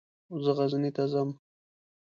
زه غزني ته ځم.